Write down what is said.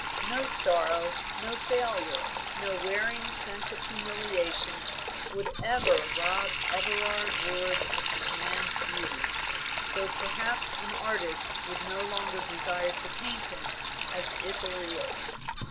No sorrow, no failure, no wearing sense of humiliation, would ever rob Everard Ward of his man's beauty, though perhaps an artist would no longer desire to paint him as Ithuriel.